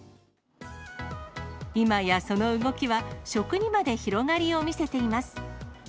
今やその動きは、食にまで広がりを見せています。